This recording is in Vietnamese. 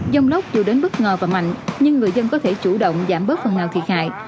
dông lốc dù đến bất ngờ và mạnh nhưng người dân có thể chủ động giảm bớt phần nào thiệt hại